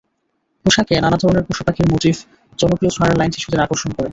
পোশাকে নানা ধরনের পশুপাখির মোটিফ, জনপ্রিয় ছড়ার লাইন শিশুদের আকর্ষণ করে।